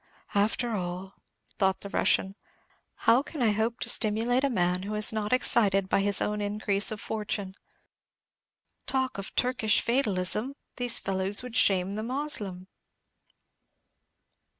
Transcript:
"After all," thought the Russian, "how can I hope to stimulate a man who is not excited by his own increase of fortune? Talk of Turkish fatalism, these fellows would shame the Moslem."